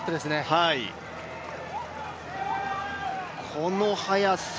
この速さ。